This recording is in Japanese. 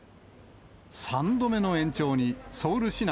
３度目の延長に、ソウル市内